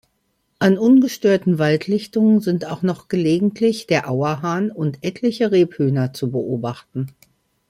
An ungestörten Waldlichtungen sind auch noch gelegentlich der Auerhahn und etliche Rebhühner zu beobachten.